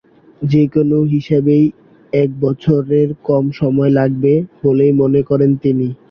যেকোনো হিসাবেই এক বছরের কম সময় লাগবে বলেই মনে করেন তিনি।